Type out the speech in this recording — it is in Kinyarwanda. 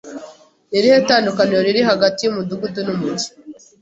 Ni irihe tandukaniro riri hagati y'umudugudu n'umujyi?